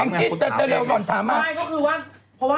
หนูก็ติดตามข่าวพี่จันในไลก์สดเยอะแยะ